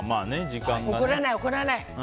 怒らない、怒らない。